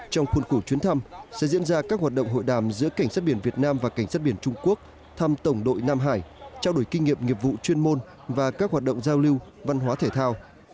trong khuôn khổ chuyến thăm sẽ diễn ra các hoạt động hội đàm giữa cảnh sát biển việt nam và cảnh sát biển trung quốc thăm tổng đội nam hải trao đổi kinh nghiệm nghiệp vụ chuyên môn và các hoạt động giao lưu văn hóa thể thao